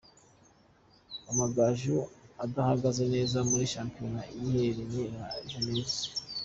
Amagaju adahagaze neza muri Shampiona, yihereranye la Jeunesse.